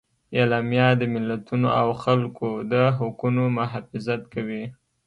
اعلامیه د ملتونو او خلکو د حقونو محافظت کوي.